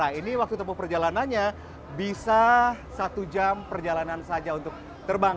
nah ini waktu tempuh perjalanannya bisa satu jam perjalanan saja untuk terbang